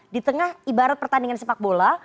di tengah ibarat pertandingan sepak bola